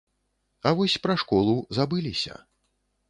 А вось пра школу забыліся.